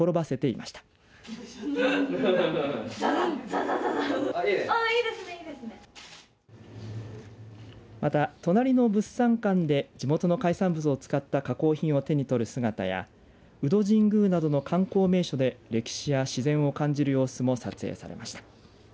また、隣の物産館で地元の海産物を使った加工品を手に取る姿や鵜戸神宮などの観光名所で歴史や自然を感じる様子も撮影されました。